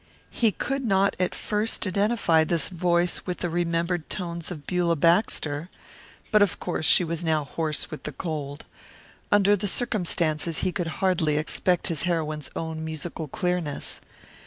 He could not at first identify this voice with the remembered tones of Beulah Baxter. But of course she was now hoarse with the cold. Under the circumstances he could hardly expect his heroine's own musical clearness.